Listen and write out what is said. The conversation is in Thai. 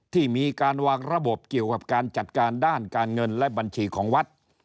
ที่มีการวางระบบเกี่ยวกับการจัดการด้านการเงินและบัญชีของวัด